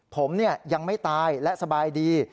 ผมยังไม่ตายและสบายดี